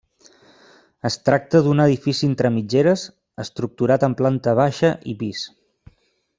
Es tracta d'un edifici entre mitgeres estructurat en planta baixa i pis.